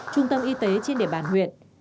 trung tâm y tế trên địa bàn huyện